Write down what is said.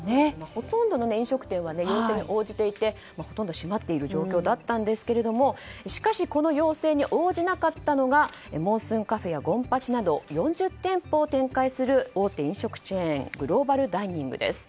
ほとんどの飲食店は要請に応じていてほとんど閉まっている状況だったんですがこの要請に応じなかったのがモンスーンカフェや権八など４０店舗を展開する大手飲食チェーングローバルダイニングです。